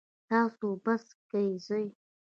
تاسو بس کې ځئ؟